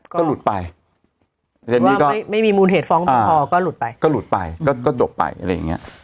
ก็หลุดไปแต่นี่ก็ไม่มีมูลเหตุฟ้องไม่พอก็หลุดไปก็หลุดไปก็จบไปอะไรอย่างเงี้ย